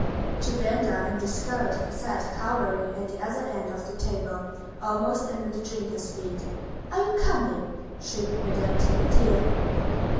She bent down and discovered Cosette cowering at the other end of the table, almost under the drinkers' feet. "Are you coming?" shrieked Madame Thénardier.